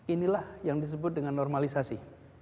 inilah yang disebut dengan normalisasi